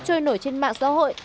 trôi nổi trên mạng xã hội